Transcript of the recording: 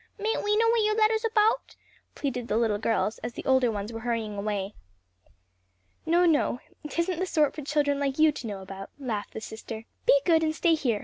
mayn't we know what your letter's about?" pleaded the little girls as the older ones were hurrying away. "No, no! tisn't the sort for children like you to know about," laughed the sister. "Be good and stay here.